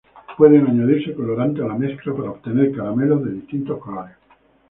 Pueden añadirse colorantes a la mezcla para obtener caramelos de distintos colores.